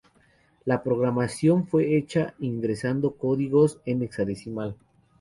La programación fue hecha ingresando códigos en hexadecimal.